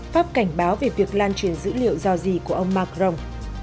pháp cảnh báo về việc lan truyền dữ liệu do gì của ông macron